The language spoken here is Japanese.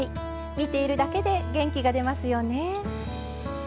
見ているだけで元気が出ますよね。